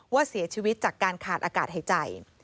ว่าเสียชีวิตจากการขาดอากาศหายใจ